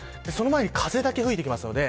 その前に風だけ吹いてきます。